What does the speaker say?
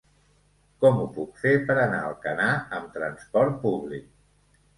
Com ho puc fer per anar a Alcanar amb trasport públic?